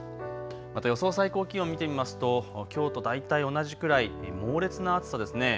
また予想最高気温、見てみますときょうと大体同じくらい猛烈な暑さですね。